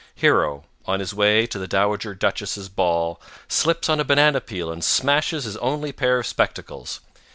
Hero, on his way to the Dowager Duchess's ball, slips on a banana peel and smashes his only pair of spectacles.